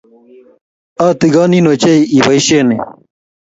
Atikonin ochei iboisieni ni.